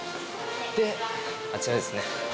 あちらですね。